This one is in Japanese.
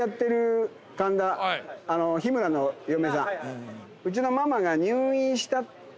日村の嫁さん。